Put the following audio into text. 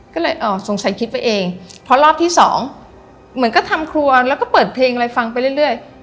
ก็เลยสงสัยคิดไปเองเพราะรอบที่สองเหมือนก็ทำครัวแล้วก็เปิดเพลงอะไรฟังไปเรื่อย